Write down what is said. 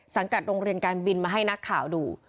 โรงเรียนการบินมาให้นักข่าวดู